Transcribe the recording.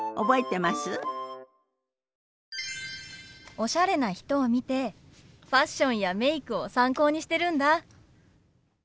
おしゃれな人を見てファッションやメイクを参考にしてるんだ。